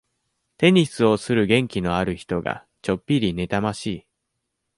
テニスをする元気のある人が、ちょっぴり妬ましい。